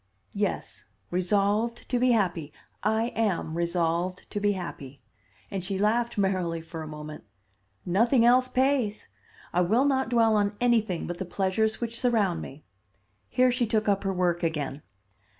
"Yes, resolved to be happy. I am resolved to be happy." And she laughed merrily for a moment. "Nothing else pays. I will not dwell on anything but the pleasures which surround me." Here she took up her work again.